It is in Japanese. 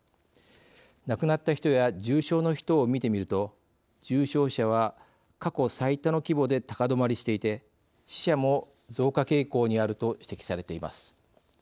亡くなった人や重症の人を見てみると重症者は過去最多の規模で高止まりしていて死者も増加傾向にあると指摘されています。